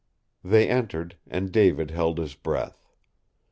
They entered, and David held his breath.